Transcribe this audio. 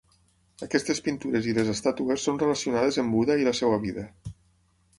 Aquestes pintures i les estàtues són relacionades amb Buda i la seva vida.